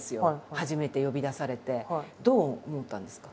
初めて呼び出されてどう思ったんですか？